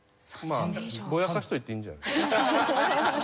ぼやかしておいていいんじゃ。